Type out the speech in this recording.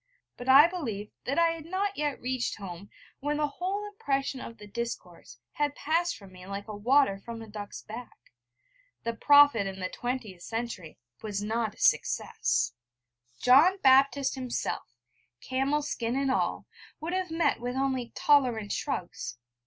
But I believe that I had not yet reached home, when the whole impression of the discourse had passed from me like water from a duck's back. The Prophet in the twentieth century was not a success. John Baptist himself, camel skin and all, would, have met with only tolerant shrugs.